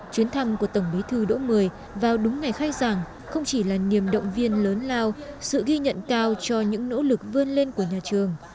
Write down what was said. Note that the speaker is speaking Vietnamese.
chuyến thăm của tổng bí thư đỗ mười vào đúng ngày khai giảng không chỉ là niềm động viên lớn lao sự ghi nhận cao cho những nỗ lực vươn lên của nhà trường